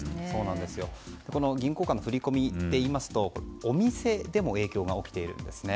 銀行間の振り込みで言いますとお店でも影響が起きているんですね。